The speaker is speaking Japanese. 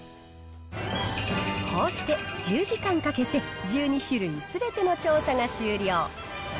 こうして１０時間かけて１２種類すべての調査が終了。